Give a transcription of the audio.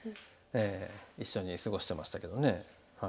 一緒に過ごしてましたけどね。